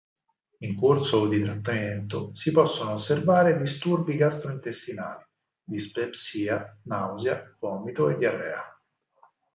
In corso di trattamento si possono osservare disturbi gastrointestinali: dispepsia, nausea, vomito, diarrea.